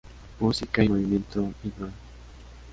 Música y movimiento Idol.